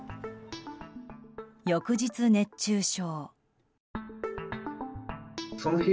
翌日熱中症。